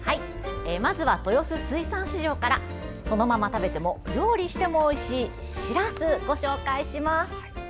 まずは豊洲水産市場からそのまま食べても料理してもおいしいしらすをご紹介します。